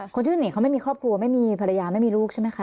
คนที่หนีเขาไม่มีครอบครัวไม่มีภรรยาไม่มีลูกใช่ไหมคะ